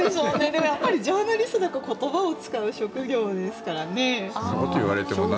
でもやっぱりジャーナリストって言葉を使う職業ですからね。